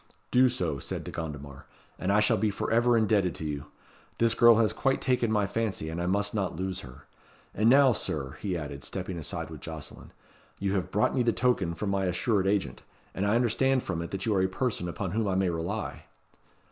"Do so," said De Gondomar, "and I shall be for ever indebted to you. This girl has quite taken my fancy, and I must not lose her. And now, Sir," he added, stepping aside with Jocelyn, "you have brought me the token from my assured agent, and I understand from it that you are a person upon whom I may rely."